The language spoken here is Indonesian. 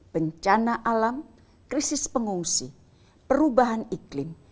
bencana alam krisis pengungsi perubahan iklim